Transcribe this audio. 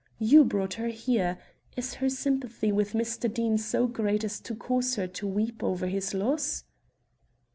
You brought her here. Is her sympathy with Mr. Deane so great as to cause her to weep over his loss?"